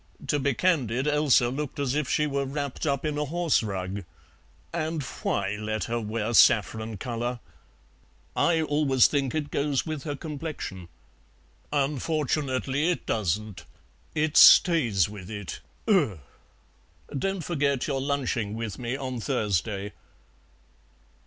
"To be candid, Elsa looked as if she were wrapped up in a horse rug. And why let her wear saffron colour?" "I always think it goes with her complexion." "Unfortunately it doesn't. It stays with it. Ugh. Don't forget, you're lunching with me on Thursday."